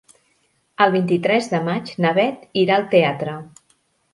El vint-i-tres de maig na Beth irà al teatre.